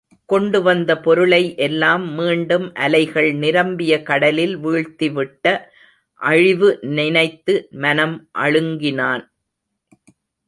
கொண்டு வந்த பொருளை எல்லாம் மீண்டும் அலைகள் நிரம்பிய கடலில் வீழ்த்திவிட்ட அழிவு நினைத்து மனம் அழுங்கினான்.